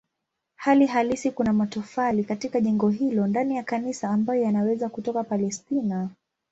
Hali halisi kuna matofali katika jengo hilo ndani ya kanisa ambayo yanaweza kutoka Palestina.